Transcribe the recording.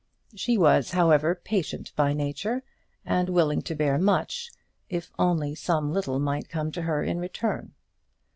She was, however, patient by nature, and willing to bear much, if only some little might come to her in return.